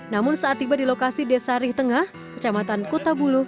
namun saat tiba di lokasi desa rih tengah kecamatan kutabulu